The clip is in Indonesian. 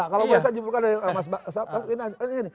kalau saya jempolkan dari mas bas